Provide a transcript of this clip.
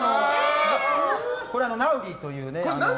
これナウディーという。